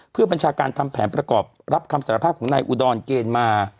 เพื่อบัญชาการทำแผนประกอบรับคำสารภาพของนายอุดรเกณฑ์มา